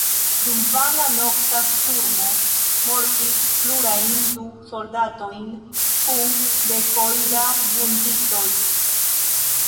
Dum vana nokta sturmo mortis pluajn du soldatojn kun dekoj da vunditoj.